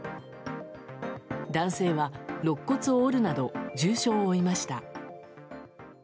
男性は肋骨を折るなど重傷を負いました。